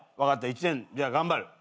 一年じゃあ頑張る。